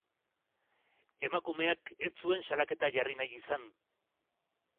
Emakumeak ez zuen salaketa jarri nahi izan.